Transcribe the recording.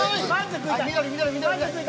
緑緑緑！